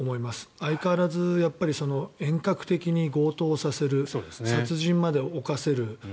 相変わらず遠隔的に強盗をさせる殺人まで犯せる。